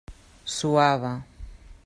Suava.